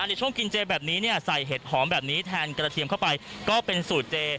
ในช่วงกินเจแบบนี้เนี่ยใส่เห็ดหอมแบบนี้แทนกระเทียมเข้าไปก็เป็นสูตรเจ